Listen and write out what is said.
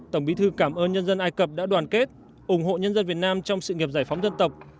tổng bí thư cảm ơn nhân dân ai cập đã đoàn kết ủng hộ nhân dân việt nam trong sự nghiệp giải phóng dân tộc